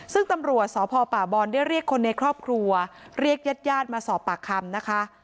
ซึ่งตำรวจสพป่าบอลได้เรียกคนในครอบครัวเรียกญาติญาติมาสอบปากคำนะคะ